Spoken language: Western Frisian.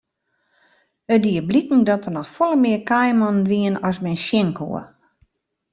It die bliken dat der noch folle mear kaaimannen wiene as men sjen koe.